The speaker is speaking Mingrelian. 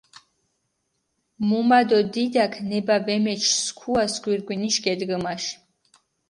მუმა დო დიდაქ ნება ვამეჩჷ სქუას გირგვინიში გედგჷმაში.